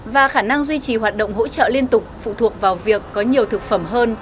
và khả năng duy trì hoạt động hỗ trợ liên tục phụ thuộc vào việc có nhiều thực phẩm hơn